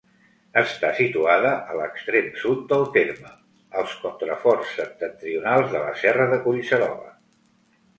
Està situada a l'extrem sud del terme, als contraforts septentrionals de la serra de Collserola.